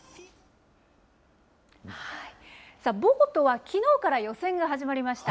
さあ、ボートはきのうから予選が始まりました。